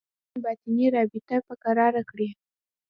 مومنان باطني رابطه برقراره کړي.